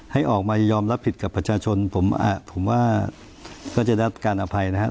ให้ออกมายอมรับผิดกับประชาชนผมว่าก็จะได้รับการอภัยนะครับ